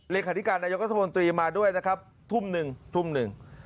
เลขาธิการนายกรศพนตรีมาด้วยนะครับทุ่มหนึ่ง